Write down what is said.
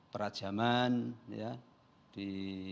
peracaman ya di